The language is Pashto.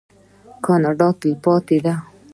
کاناډا تلپاتې ده.